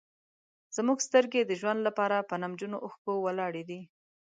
زموږ سترګې د ژوند لپاره په نمجنو اوښکو ولاړې دي.